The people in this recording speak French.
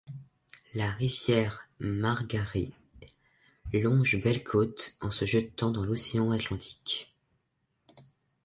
La rivière Margaree longe Belle-Côte en se jetant dans l'océan Atlantique.